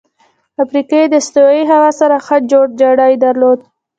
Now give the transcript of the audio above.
افریقایان د استوایي هوا سره ښه جوړجاړی درلود.